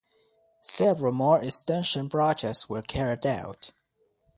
Several more extension projects were carried out.